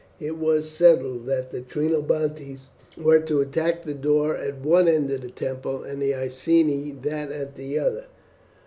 It was settled that the Trinobantes were to attack the door at one end of the temple, and the Iceni that at the other.